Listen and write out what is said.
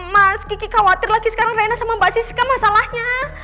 mas kiki khawatir lagi sekarang rena sama mbak siska masalahnya